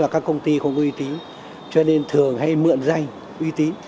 các công ty không có uy tí cho nên thường hay mượn danh uy tí